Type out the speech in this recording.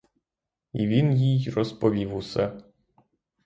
І він їй розповів усе.